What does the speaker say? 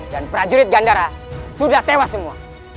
dan prajurit gandara sudah tewas semua